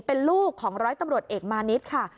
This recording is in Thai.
เป็นลูกของร้อยตำรวจเอกมานิดค่ะ